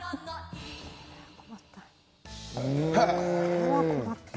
これは困った。